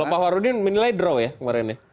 kalau pak warudin menilai draw ya kemarin ya